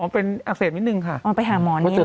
อ๋อเป็นอักเสบนิดหนึ่งค่ะอ๋อไปหาหมอนี้แหละ